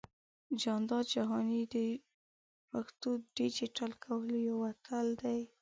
جانداد جهاني د پښتو ډىجيټل کولو يو اتل دى.